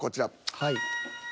はい。